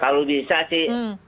kalau bisa sih